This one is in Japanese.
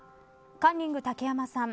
カンニング竹山さん